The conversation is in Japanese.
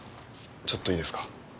ちょっといいですか？